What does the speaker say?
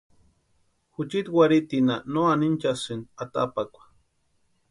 Juchiti warhiitinha no anhinchasïnti atapakwa.